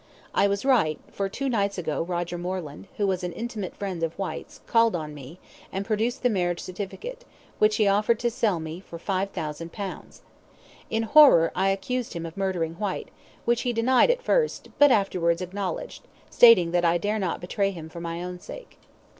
I was right, for two nights ago Roger Moreland, who was an intimate friend of Whyte's, called on me, and produced the marriage certificate, which he offered to sell to me for five thousand pounds. In horror, I accused him of murdering Whyte, which he denied at first, but afterwards acknowledged, stating that I dare not betray him for my own sake.